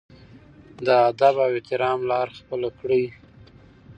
د ادب او احترام لار خپله کړي.